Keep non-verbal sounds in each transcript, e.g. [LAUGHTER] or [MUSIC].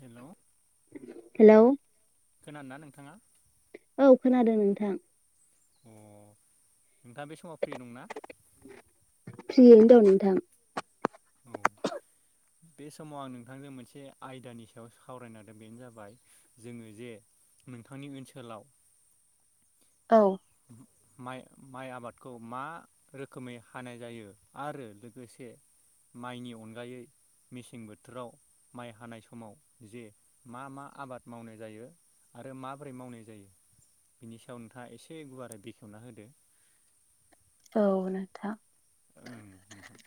हेल' hello औ खोनादों नोंथां अ नोंथाङा बे समाव फ्रि दंना फ्रियैनो नोंथां औ बे समाव आं नोंथांजों मोनसे आयदानि सायाव सावराय नागदों बेनो जाबाय जोङो जे नोंथांनि ओनसोलाव औ माइ माइ आबादखौ मा रोखोमै हानाय जायो आरो लोगोसे माइनि अनगायै मेसें बोथोराव माइ हानाय समाव जे मा मा आबाद मावनाय जायो आरो माबोरै मावनाय जायो बिनि सायाव नोंथाङा एसे एसे गुवारै बेखेवना होदो औ नोंथां ओं नोंथां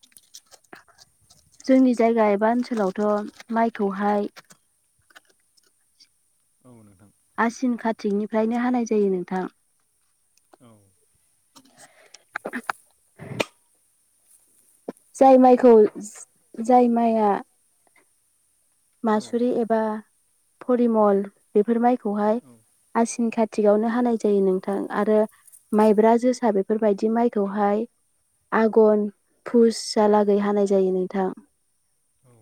[INAUDIBLE] जोंनि जायगा एबा ओनसोलावथ' माइखौहाय औ नोंथां आसिन कारतिकनिफ्रायनो हानाय जायो नोंथां औ [UNINTELLIGIBLE] जाय माइखौ जाय माइआ औ मासुरि एबा फरिमल बेफोर माइखौ खौहाय औ आसिन खा थिगावनो हानाय जायो नोंथां आरो माइब्रा जोसा बेफोरबायदि माइखौहाय आघन फुजालागै हानाय जायो नोंथां औ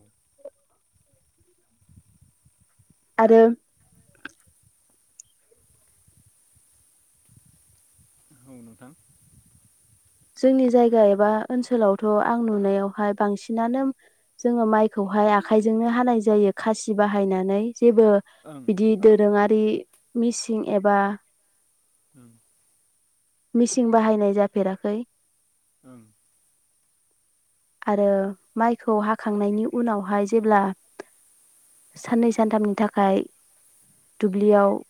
आरो औ नोंथां जोंनि जायगा एबा ओनसोलावथ' आं नुनायावहाय बांसिनानो जोङो माइखौहाय आखाइजोंनो हानाय जायो खासि बाहायनानै जेबो ओं बिदि दोरोङारि मिसिं एबा ओं मिसिन बाहायनाय जाफेराखै ओं आरो ओं माइखौ हाखांनायनि उनावहाय जेब्ला साननै सानथामनि थाखाय दुब्लियाव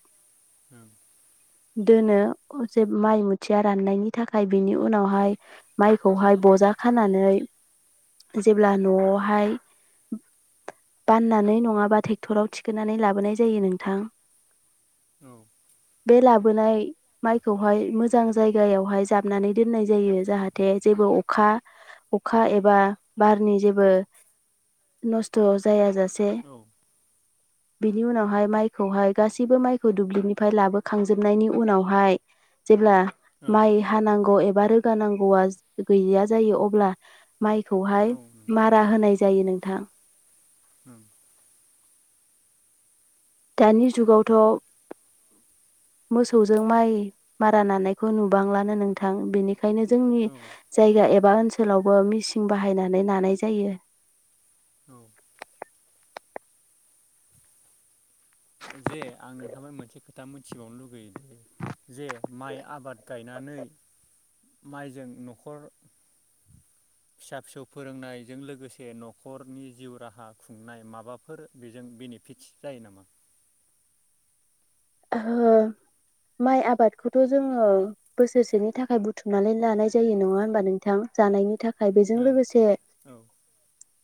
ओं दोनो जे माइ मुथिया राननायनि थाखाय बिनि उनावहाय माइखौहाय बजा खानानै जेब्ला न'आवहाय बाननानै नङाबा ट्रेक्टराव थिखोनानै लाबोनाय जायो नोंथां औ बे लाबोनाय माइखौहाय मोजां जायगायावहाय जाबनानै दोननाय जायो जाहाथे जेबो अखा अखा एबा बारनि जेबो नस्थ' जाय जासे से औ बिनि उनावहाय माइखौहाय गासैबो माइखौ दुब्लिबनिफ्राय लाबोखांजोबनायनि उनावहाय जेब्ला ओं माइ हानांगौ एबा रोगा गानांगौआ गैया जायो अब्ला माइखौहाय औ नोंथां मारा होनाय जायो नों थां ओं दानि जुगावथ' मोसौजों माइ मारा नानायखौ नुबांलानो नोंथां बेनि ओंखायनो जोंनि ओं जायगा एबा बा ओनसोलावबो मिसिन बाहायनानै लानाय जायो औ औ जे आं नोंथांफाय मोनसे खोथा मिथिबावनो लुगैयोदि जे माइ आबाद गायनानै माइजों न'खर फिसा फिसौ फोरोंनायजों लोगोसे न'खरनि जिउ राहा खुंनाय माबाफोर बेजों बेनिफिटस जायो नामा माइ आबादखौथ' जोङो बोसोरसेनि थाखाय बुथुमनानै लानाय जायो नङा होनबा नोंथां जानायनि था खाय बेजों ओं लोगोसे औ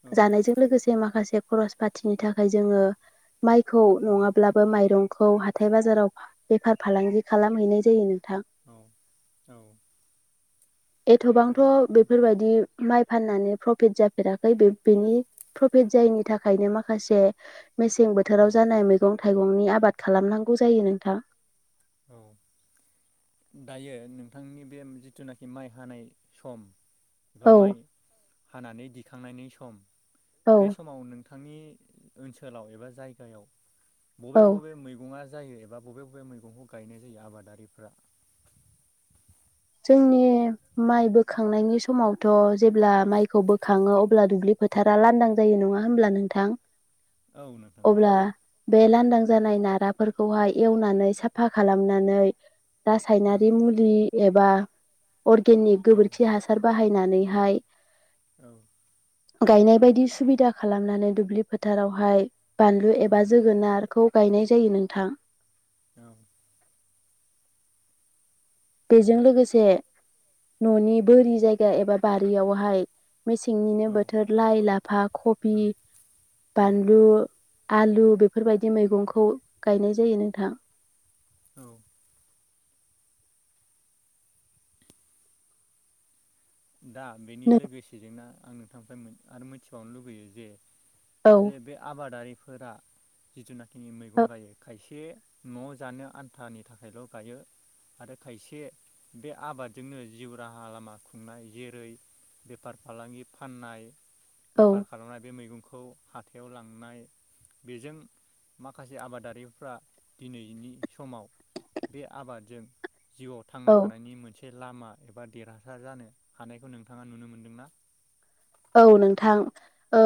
औ जानायजों लोगोसे माखासे खरस फाथिनि थाखाय जोङो माइखौ नङाब्लाबो माइरं खौहाय हाथाय बाजाराव बेफार फालांगि खालामहैनाय जायो नों थां औ एथ'बांथ' औ बेफोरबायदि माइ फाननानै प्रफिट जाफेराखै बेनि प्रफिट जायैनि थाखायनो माखासे मेसें औ बोथोराव जानाय मैगं थाइगंनि आबाद खालामनां गौ जायो नोंथां औ दायो नोंथांनि बे जिथुनाखि माइ हानाय सम एबा औ माइ हानानै दिखांनायनि सम औ बे समाव नों नोंथांनि ओनसोलाव एबा जायगायाव बबे औ बबे मैगङा जायो एबा बबे बबे मैगंखौ गायनाय जायो आबादारिफ्रा जोंनि माइ बोखांनायनि समावथ' जेब्ला माइखौ बोखाङो अब्ला दुब्लि फोथारा लांदां जायो नङा होमला नोंथां औ नोंथां औ अब्ला बे लांदां जानाय नारा फोरखौहाय एवनानै साफा खालामनानै ओं रासायनारि मुलि एबा अर्गेनिक औ गोबोरखि हासार बाहायो नानैहाय औ गायनाय बायदि सुबिदा खालामनानै दुब्लि फोथारावहाय बानलु औ एबा जोगोनारखौ गायनाय जायो नोंथां औ बेजों लोगोसे न'नि बोरि जायगा एबा बारियावहाय मेसेंनिनो बोथोर लाइ लाफा खबि औ औ बानलु आलु बेफोरबायदि मैगंखौ गायनाय जायो नोंथां औ दा बेनि लोगोसेजों ना आं नोंथांनिफ्राय आरो मिथिबावनो लुगैयो जे औ जे बे आबादारि फोरा जिथुनाखि बिनि मैगं औ गायो खायसे खायसे नआव जानो आन्थानि थाखायल गायो आरो खायसे बे आबादजोंनो जिउ राहा लामा खुंनाय जेरै बेफार फालांगि फाननाय औ बेफार खालामनाय बे मैगंखौ खौ हाथायाव लांनाय बेजों माखासे आबादारिफ्रा दिनैनि समाव बे आबादजों जिउआव थांना औ थानायनि मोनसे एसे लामा एबा देरहासार जानो हानायखौ नोंथाङा नुनो मोनदों ना औ नोंथां ओ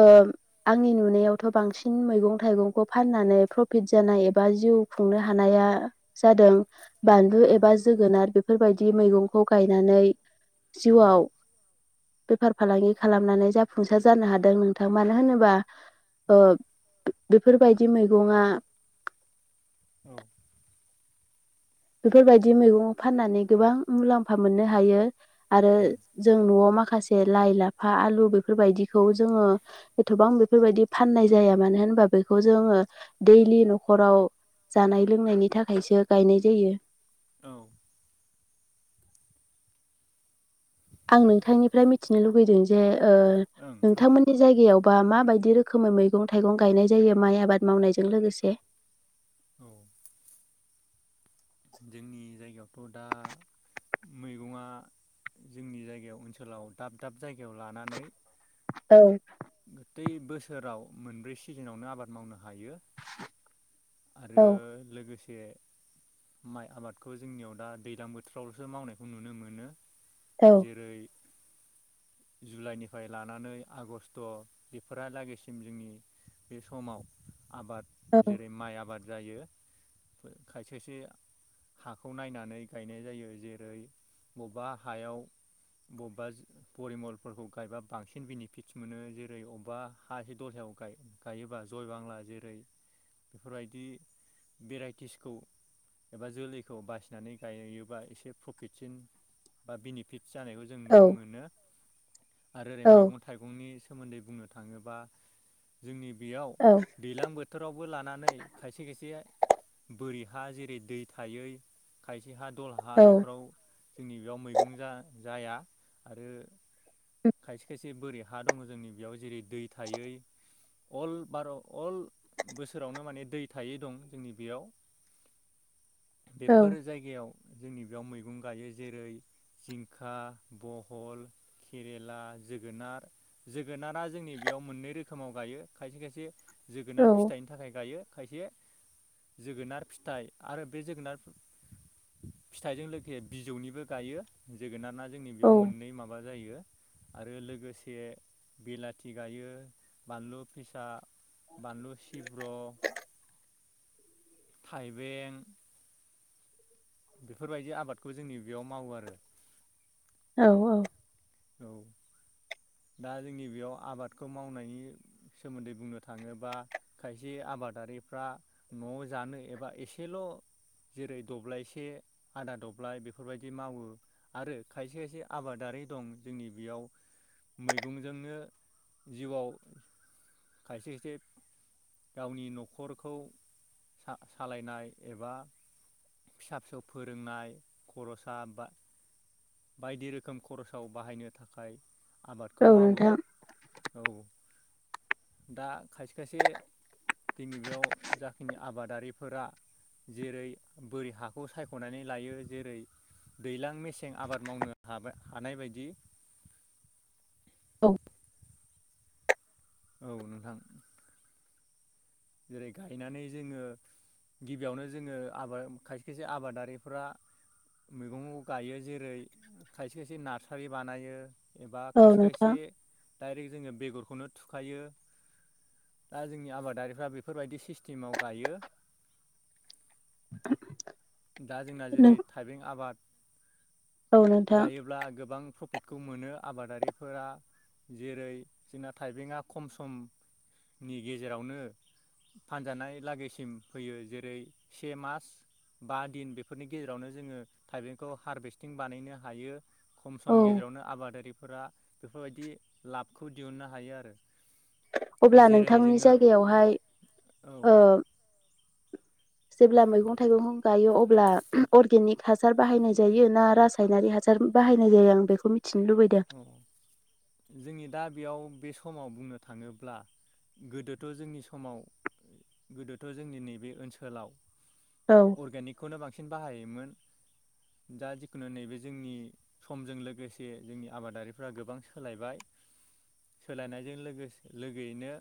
आंनि नुनायावथ बांसिन मैगं थाइगंखौ फाननानै प्रफिट जानाय एबा जिउ खुंनो हानाया जादों बानलु औ एबा जोगोनार बेफोरबायदि बिदि मैगंखौ गायनानै औ जिउआव फार फालांगि खालामनानै जाफुंसार जानो हादों नोंथां मानो होनोबा औ ओ बेफोर बायदि मैगंया औ बेफोरबायदि मैगं फाननानै गोबां मुलाम्फा मोननो हायो आरो उम जों नआव माखासे लाइ लाफा आलु बेफोरबायदिखौ जोङो एथबां बेफोरबायदि फाननाय जाया मानो होनबा बेखौ जोङो दैलि नखराव जानाय लोंनायनि थाखायसो गायनाय जायो औ आं नोंथांनिफ्राय मिथिनो लुुबैदों जे ओ ओं नोंथांमोननि जायगायावबा मा बायदि रोखोमै मैगं थाइगं गायनाय जायो माइ आबाद मावनायजों लोगोसे औ जोंनि जायगायावथ दा मैगंया जोंनि जायगायाव ओनसोलाव दाब दाब जायगायाव लानानै औ गोथै बोसोराव मोनब्रै सिजोनावनो आबाद मावनो हायो औ आरो लोगोसे माइ आबादखौ जोंनियाव दा दैज्लां बोथोरावलसो मावनायखौ नुनो मोनो औ जेरै जुलाइनिफ्राय लानानै आगष्ट बेफोरालागैसिम जोंनि बे समाव आबाद औ जेरै आबाद जायो खायसेसो हाखौ नायनानै गायनाय जायो जेरै बबेबा हायाव बबेबा परिमलफोरखौ गायबा बांसिन बेनिफिटस मोनो जेरै बबेबा हा दलहायाव गायोबा जय बांला जेरै बेफोरबायदि भेराइटिसखौ एबा जोलैखौ बासिनानै गायो बा एसे प्रफिटसिन बा बेनिफिट जानायखौ जों नुनो औ मोनो आरो ओरै औ मैगं थाइगंनि सोमोन्दै बुंनो थाङोबा जोंनि बेयाव औ दैलां बोथोराव बोलानानै खायसे खायसे बोरै हा जेरै दै थायै खाय हा दल हा औ बेफोराव जोंनि बेयाव मैगं जा जाया आरो खायसे खायसे बोरै हा दङ जोंनि बेयाव जेरै दै थायै अल बार' अल बोसोरावनो माने दै थायै दं जोंनि बेयाव औ बेफोर जायगायाव जोंनि बेयाव मैगं गायो जेरै जिंखा बहल केरेला जोगोनार जोगोनारा जोंनि बेयाव मोननै रोखोमाव गायो खायसे खायसे जोगोनार औ फिथाइ गायो खायसे जोगोनार फिथाइ आरो बे जोगोनार फिथाइजों लोगोसे बिजौनिबो गायो जोगोनारा जोंनि बेयाव औ मोननै माबा जायो आरो लोगोसे बिलाथि गायो बानलु फिसा बानलु ब' थाइबें बेफोरबायदि आबादखौ जोंनि बेयाव मावो आरो औ औ औ दा जोंनि बेयाव आबादखौ मावनायनि सोमोन्दै बुंनो थाङोबा खायसे आबादारिफ्रा न' जानो एबा एसेल' जेरै दब्लायसे आदा दब्लाय बेफोरबायदि मावो आरो खायसे खायसे आबादारि दं जोंनि बेयाव मैगंजोंनो जिउआव खायसे खायसे गावनि न'खरखौ सा-सालायनाय एबा फिसा फिसौ फोरोंनाय खर'सा बा बायदि रोखोम खरसाव बाहायनो थाखाय आबादखौ औ मावो नोंथां औ दा खायसे खायसे दिनि बेयाव जाखिनि आबादारिफोरा जेरै बोरै हाखौ सायख'नानै लायो जेरै दैज्लां मेसें आबाद मावनो हाबाय हानाय बायदि औ औ नोंथां जेरै गायनानै जोङो गिबियावनो जोङो आबाद खायसे खायसे आबादारिफ्रा मैगंखौ गायो जेरै खायसे खायसे नार्सारि बानायो एबा औ खायसे नोंथां खायसे दाइरेक्ट जोङो बेगर खौनो थुखायो दा जोंनि आबादारि फोरा बेफोरबायदि सिस्टेमाव गायो दा जोंना जेरै नों थाइबें आबाद औ नोंथां गायोब्ला गोबां प्रफिट खौ मोनो आबादारिफोरा जेरै जोंना थाइबेंआ खम समनि गेजेरावनो फानजानाय लागैसिम फैयो जेरै से मास बा दिन बेफोरनि गेजेरावनो जोङो थाइबेंखौ हारभेस्टिं बानायनो हायो खम औ समनि गेजेरावनो आबादारि फोरा बेफोरबायदि लाबखौ दिहुनन्नो हायो आरो अब्ला जेरै नोंथांनि जोङो जायगायावहाय औ ओ जेब्ला मैगं थाइगं गायो अब्ला अर्गेनिक हासार बाहायनाय जायो ना रासायनारि हासार बाहायनाय जायो आं बेखौ मिथि औ जोंनि दा बेयाव बे सम समाव बुंनो थाङोब्ला गोदोथ' जोंनि समाव गोदोथ' जोंनि नैबे ओनसोलाव औ अर्गेनिकखौनो बांसिन बाहायोमोन दा जिखुनु नैबे जोंनि समजों लोगोसे जोंनि आबादारिफ्रा गोबां सोलायबाय सोलायनायजों लोगोसे लोग-लोगोयैनो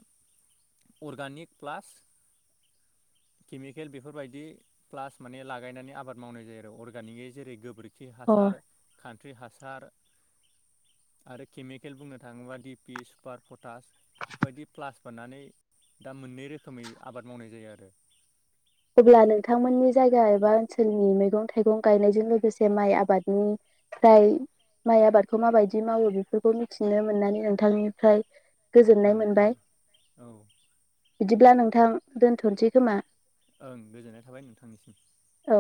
अर्गानिक प्लास केमिकेल बेफोरबायदि प्लास माने लागायनानै आबाद मावनाय जायो आरो अर्गानिकै जेरै गोबोरखि खि अ हासार खान थ्रि हासार आरो केमिकेल बुंनो थाङोबा डिपि सुपार पटास बेफोरबायदि प्लास बारनानै दा मोननै रोखोमै आबाद मावनाय जायो आरो अब्ला नोंथांमोननि जायगा एबा ओनसोलनि मैगं थाइगं गायनायजों लोगोसे माइ आबादनिफ्राय माइ आबादखौ माबायदि मावो बेफोरखौ मिथिनो मोननानै नोंथांनिफ्राय गोजोननाय ओं ओं मोनबाय औ बिदिब्ला नोंथां दोनथ'नोसै खोमा ओं गोजोननाय थाबाय नोंथांनिसिम औ